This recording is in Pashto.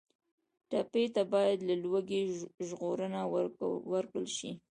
ټپي ته باید له لوږې ژغورنه ورکړل شي.